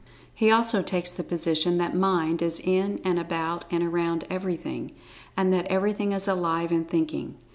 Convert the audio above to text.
He also takes the position that Mind is in and about and around Everything. And that "Everything is Alive and Thinking."